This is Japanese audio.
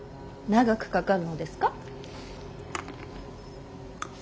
長くかかるのですか？